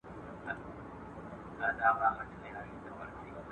پرون مې په انټرنیټ کې معلومات ولټول.